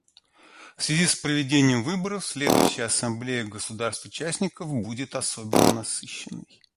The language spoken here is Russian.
В связи с проведением выборов следующая Ассамблея государств-участников будет особенно насыщенной.